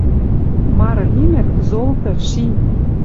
Мары лимӹк — золты, ши!..